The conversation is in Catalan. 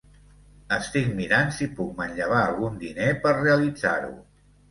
Estic mirant si puc manllevar algun diner per realitzar-ho.